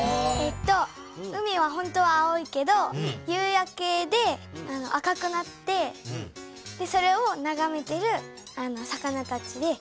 海はほんとは青いけど夕焼けで赤くなってそれをながめている魚たちで。